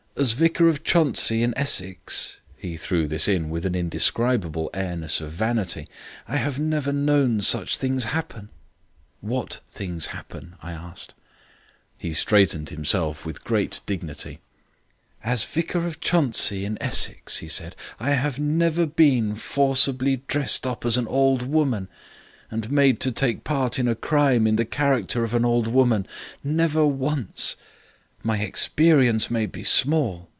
As Vicar of Chuntsey, in Essex" he threw this in with an indescribable airiness of vanity "I have never known such things happen." "What things happen?" I asked. He straightened himself with sudden dignity. "As Vicar of Chuntsey, in Essex," he said, "I have never been forcibly dressed up as an old woman and made to take part in a crime in the character of an old woman. Never once. My experience may be small.